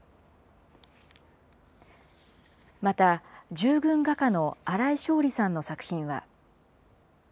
また、従軍画家の新井勝利さんの作品は。